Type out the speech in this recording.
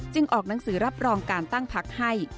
ออกหนังสือรับรองการตั้งพักให้